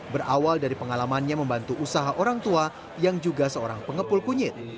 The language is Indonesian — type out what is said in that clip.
berawal dari pengalamannya membantu usaha orang tua yang juga seorang pengepul kunyit